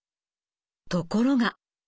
ところが。